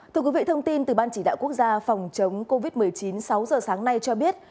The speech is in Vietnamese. thưa quý vị thông tin từ ban chỉ đạo quốc gia phòng chống covid một mươi chín sáu giờ sáng nay cho biết